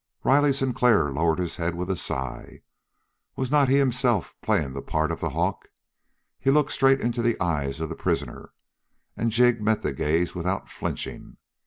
Riley Sinclair lowered his head with a sigh. Was not he himself playing the part of the hawk? He looked straight into the eyes of the prisoner, and Jig met the gaze without flinching.